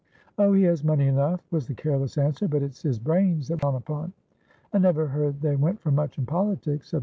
"Oh, he has money enough," was the careless answer. "But its his brains that we count upon." "I never heard they went for much in politics," said Mr. Kerchever.